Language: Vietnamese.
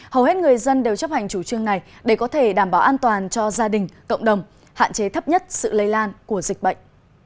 hầu hết người dân đều chấp hành chủ trương này để có thể đảm bảo an toàn cho gia đình cộng đồng hạn chế thấp nhất sự lây lan của dịch bệnh